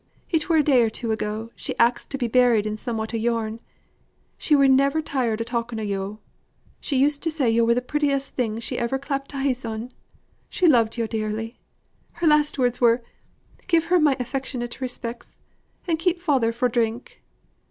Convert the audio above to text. "It were a day or two ago she axed to be buried in somewhat o' yourn. She were never tired o' talking o' yo'. She used to say yo' were the prettiest thing she ever clapped eyes on. She loved yo' dearly. Her last words were 'Give her my affectionate respects; and keep father fro' drink.